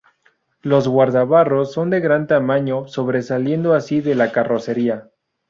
Los guardabarros son de un gran tamaño, sobresaliendo así de la carrocería.